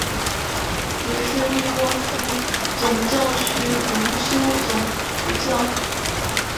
也是利沃夫总教区荣休总主教。